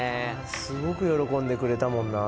すごく喜んでくれたもんな